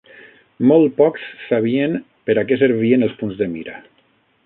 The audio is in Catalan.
Molt pocs, sabien per a què servien els punts de mira